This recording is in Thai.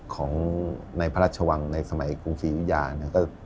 ของในพระราชวังในสมัยกรุงศรียุยาเนี่ย